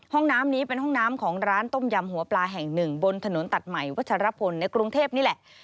ห้องน้ำนี้เป็นห้องน้ำของร้านต้มยำหัวปลาแห่งหนึ่งบนถนนตัดใหม่วัชรพลในกรุงเทพนี่แหละ